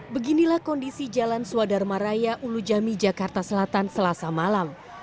beginilah kondisi jalan swadharma raya ulu jami jakarta selatan selasa malam